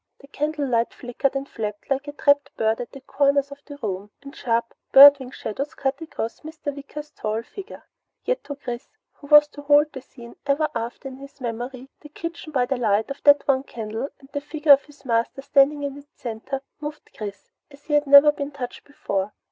The candlelight flickered and flapped like a trapped bird at the corners of the room, and sharp bird wing shadows cut across Mr. Wicker's tall dark figure. Yet to Chris, who was to hold the scene ever after in his memory, the kitchen by the light of that one candle, and the figure of his master standing in its center, moved Chris as he had never been touched before.